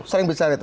sering bicara itu